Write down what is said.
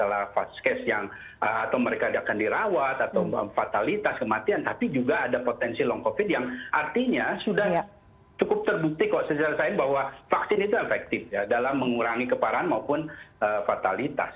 karena ini kan bukan hanya masalah fast case yang atau mereka akan dirawat atau fatalitas kematian tapi juga ada potensi long covid yang artinya sudah cukup terbukti kalau saya jelasin bahwa vaksin itu efektif ya dalam mengurangi keparahan maupun fatalitas